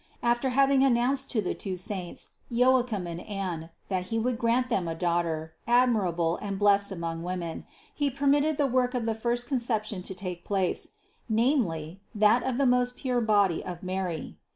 After having announced to the two saints, Joachim and Anne, that He would grant them a Daughter, admirable and blessed among women, He permitted the work of the first Conception to take place, namely, that of the most 173 174 CITY OF GOD pure body of Mary.